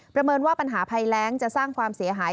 เมินว่าปัญหาภัยแรงจะสร้างความเสียหาย